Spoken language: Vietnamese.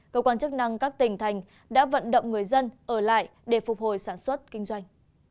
cơ quan chức năng các tỉnh thành đã vận động người dân ở lại để phục hồi sản xuất kinh doanh